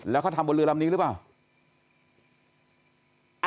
แล้วเขาทำบนเรือลำนี้หรือเปล่า